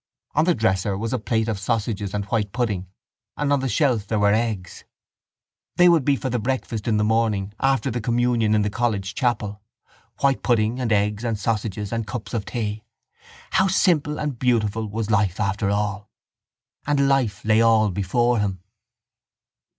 On the dresser was a plate of sausages and white pudding and on the shelf there were eggs. They would be for the breakfast in the morning after the communion in the college chapel. White pudding and eggs and sausages and cups of tea. How simple and beautiful was life after all! And life lay all before him.